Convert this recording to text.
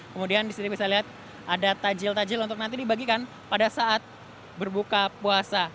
kemudian disini bisa lihat ada tajil tajil untuk nanti dibagikan pada saat berbuka puasa